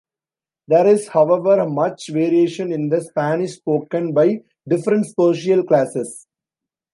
There is, however, much variation in the Spanish spoken by different social classes.